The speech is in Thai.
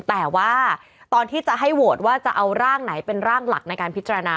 แต่ว่าตอนที่จะให้โหวตว่าจะเอาร่างไหนเป็นร่างหลักในการพิจารณา